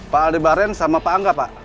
pak aldebaren sama pak angga pak